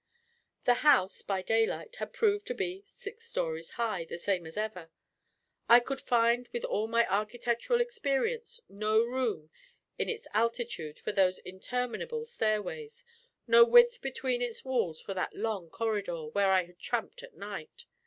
The house, by daylight, had proved to be six stories high, the same as ever. I could find, with all my architectural experience, no room in its altitude for those interminable stairways, no width between its walls for that long corridor, where I had tramped at night.